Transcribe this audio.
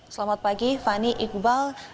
selamat pagi fani iqbal